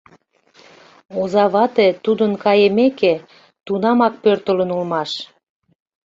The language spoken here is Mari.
Оза вате, тудын кайымеке, тунамак пӧртылын улмаш.